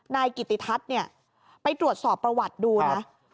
นายกิติทัศน์เนี่ยไปตรวจสอบประวัติดูนะ